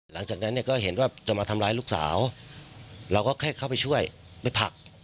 หลังจากนั้นเนี่ยก็เห็นว่าจะมาทำร้ายลูกสาวเราก็แค่เข้าไปช่วยไปผลัก